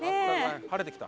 晴れてきた。